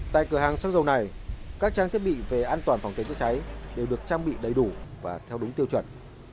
tại cửa hàng xăng dầu này các trang thiết bị về an toàn phòng cháy chữa cháy đều được trang bị đầy đủ và theo đúng tiêu chuẩn